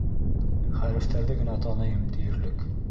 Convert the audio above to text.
Хәрефтәрҙе генә таныйым тиерлек.